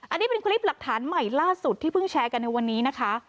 อันนี้เป็นคลิปหลักฐานใหม่ล่าสุดที่เพิ่งแชร์กันในวันนี้นะคะ